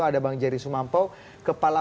ada bang jerry sumampo kepala